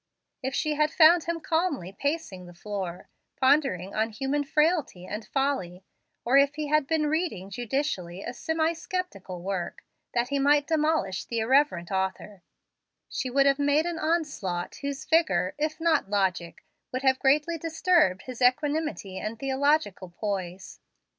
If she had found him calmly pacing the floor, pondering on human frailty and folly, or if he had been reading judicially a semi sceptical work, that he might demolish the irreverent author, she would have made an onslaught whose vigor, if not logic, would have greatly disturbed his equanimity and theological poise.